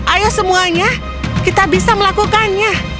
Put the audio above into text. ayo semuanya kita bisa melakukannya